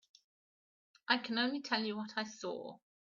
I can only tell you what I saw.